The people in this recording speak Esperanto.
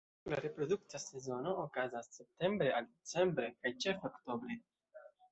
La reprodukta sezono okazas septembre al decembre, kaj ĉefe oktobre.